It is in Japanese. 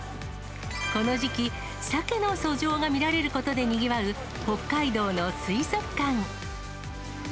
この時期、サケの遡上が見られることでにぎわう、北海道の水族館。